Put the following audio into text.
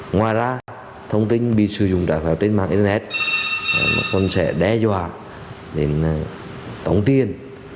ngoài ra thông tin bị sử dụng trả phép trên mạng internet còn sẽ đe dọa đến tổng tiên